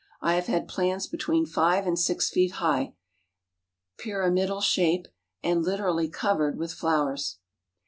I have had plants between five and six feet high, pyramidal shape and literally covered with flowers."